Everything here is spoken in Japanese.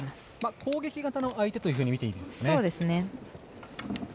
攻撃型の相手と見ていいんでしょうかね。